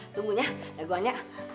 tunggu ya gue nyak